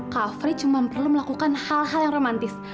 kak fre cuma perlu melakukan hal hal yang romantis